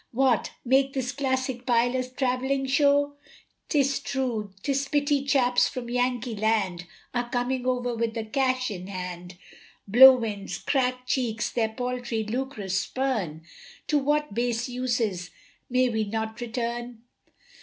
What, make this classic pile a travelling show? Tis true; 'tis pity chaps from Yankee land Are coming over with the cash in hand. Blow winds, crack cheeks, their paltry lucre spurn, To what base uses may we not return.